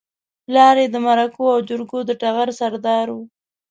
پلار يې د مرکو او جرګو د ټغر سردار و.